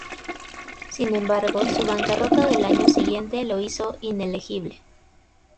Sin embargo, su bancarrota del año siguiente lo hizo inelegible.